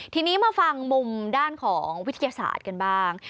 ทีนี้มาฟังมุมด้านของวิทยาศาสตร์กันบ้าง